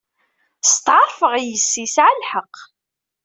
Steɛṛfeɣ yes-s yesɛa lḥeqq.